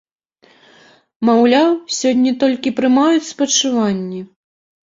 Маўляў, сёння толькі прымаюць спачуванні.